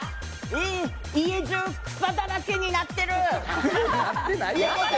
家中、草だらけになってる。